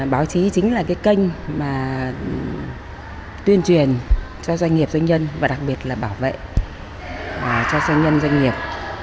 báo chí chính là cái kênh mà tuyên truyền cho doanh nghiệp doanh nhân và đặc biệt là bảo vệ cho doanh nhân doanh nghiệp